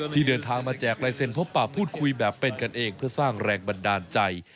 ที่เดินทางมาแจกลายเซ็นพบปากพูดคุยแบบเป็นกันเองเพื่อสร้างแรงบันดาลใจ